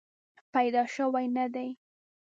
پیدا شوې نه دي.